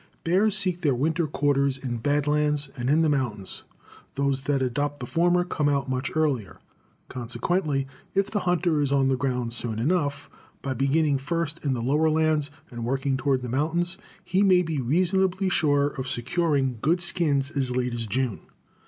Bears seek their winter quarters in Bad Lands and in the mountains. Those that adopt the former come out much earlier; consequently if the hunter is on the ground soon enough, by beginning first in the lower lands and working toward the mountains, he may be reasonably sure of securing good skins as late as June.